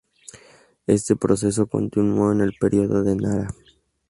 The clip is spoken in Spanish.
Este proceso continuó en el Período de Nara.